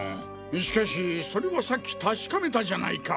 しかしそれはさっき確かめたじゃないか！